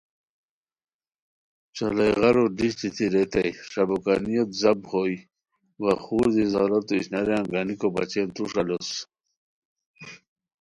چالائے غارو ڈیشٹ دیتی ریتائے ݰا بو کانیوت زاپ ہوئے وا خور دی ضرورتو اشناریان گانیکو بچین توݰ الوس